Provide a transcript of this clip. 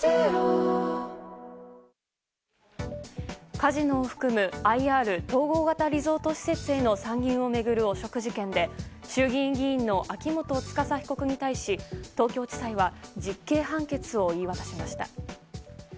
カジノを含むＩＲ・統合型リゾート施設への参入を巡る汚職事件で衆議院議員の秋元司被告に対し東京地裁は実刑判決を言い渡しました。